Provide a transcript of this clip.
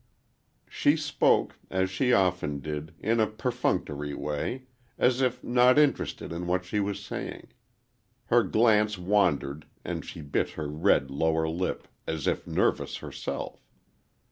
She spoke, as she often did, in a perfunctory way, as if not interested in what she was saying. Her glance wandered and she bit her red lower lip, as if nervous herself.